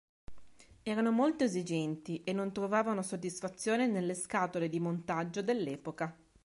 Erano molto esigenti e non trovavano soddisfazione nelle scatole di montaggio dell'epoca.